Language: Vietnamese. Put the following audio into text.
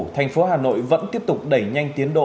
thành phố hà nội vẫn tiếp tục đẩy nhanh tiến độ